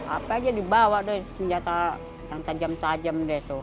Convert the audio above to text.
apa aja dibawa deh senjata yang tajam tajam deh itu